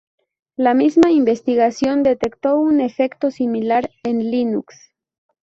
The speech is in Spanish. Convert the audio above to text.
La misma investigación detectó un efecto similar en Linux.